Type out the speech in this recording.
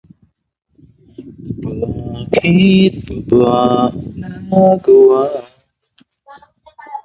In fact, many Irish supported the war and Irish involvement.